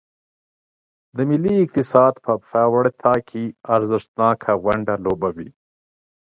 د ملي اقتصاد په پیاوړتیا کې ارزښتناکه ونډه لوبوي.